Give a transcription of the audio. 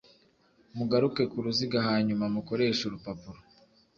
Mugaruke ku ruziga hanyuma mukoreshe urupapuro